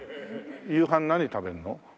夕飯何食べるの？